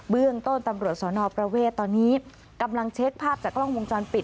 เรื่องต้นตำรวจสนประเวทตอนนี้กำลังเช็คภาพจากกล้องวงจรปิด